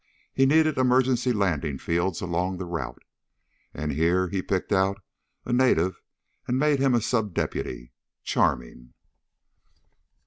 He needed emergency landing fields along the route, and here he picked out a native and made him a sub deputy. Charming...."